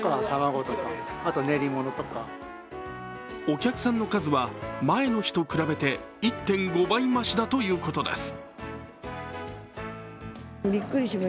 お客さんの数は前の日と比べて１．５倍増しだということです。